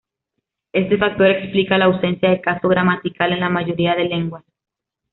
Este factor explica la ausencia de caso gramatical en la mayoría de lenguas.